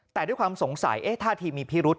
แต่ด้วยความสงสัยท่าทีมีพิรุษ